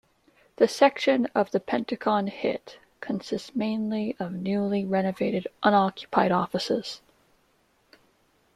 The section of the Pentagon hit consists mainly of newly renovated, unoccupied offices.